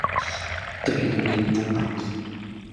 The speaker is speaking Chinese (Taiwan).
對錄音不滿意